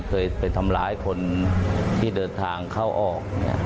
เคยไปทำร้ายคนที่เดินทางเข้าออก